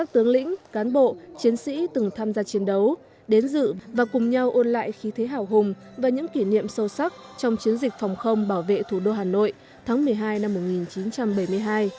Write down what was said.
tướng lĩnh cán bộ chiến sĩ từng tham gia chiến đấu đến dự và cùng nhau ôn lại khí thế hào hùng và những kỷ niệm sâu sắc trong chiến dịch phòng không bảo vệ thủ đô hà nội tháng một mươi hai năm một nghìn chín trăm bảy mươi hai